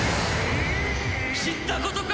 知ったことか！